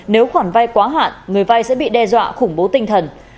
nếu khoản vai quá hạn người vai sẽ bị đe dọa khủng bố tinh thần